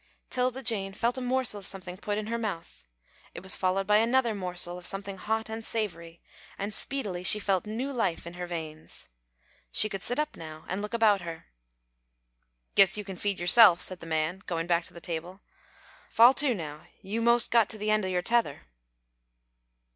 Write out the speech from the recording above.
'Tilda Jane felt a morsel of something put in her mouth. It was followed by another morsel of something hot and savoury, and speedily she felt new life in her veins. She could sit up now, and look about her. "Guess you can feed yourself," said the man, going back to the table. "Fall to now you most got to the end of your tether."